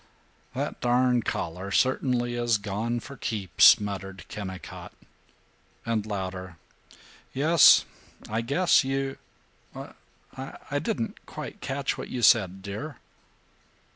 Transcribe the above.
"That darn collar certainly is gone for keeps," muttered Kennicott and, louder, "Yes, I guess you I didn't quite catch what you said, dear."